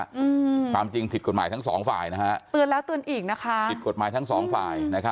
อืมความจริงถิดกฎหมายทั้งสองฝ่ายนะคะ